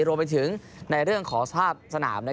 รวมไปถึงในเรื่องของสภาพสนาม